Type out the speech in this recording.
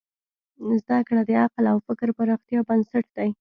زدهکړه د عقل او فکر پراختیا بنسټ دی.